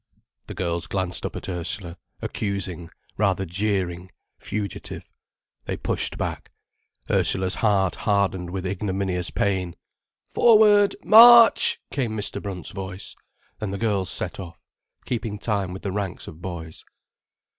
The girls glanced up at Ursula, accusing, rather jeering, fugitive. They pushed back. Ursula's heart hardened with ignominious pain. "Forward—march," came Mr. Brunt's voice, and the girls set off, keeping time with the ranks of boys.